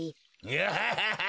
ハハハハ！